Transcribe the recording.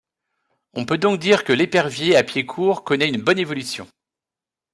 On peut donc dire que l'épervier à pieds court connaît une bonne évolution.